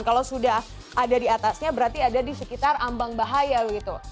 kalau sudah ada di atasnya berarti ada di sekitar ambang bahaya begitu